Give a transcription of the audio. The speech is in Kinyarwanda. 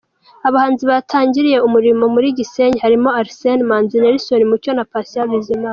Abahanzi batangiriye umurimo ku Gisenyi Harimo Arsene Manzi, Nelson Mucyo, na Patient Bizimana.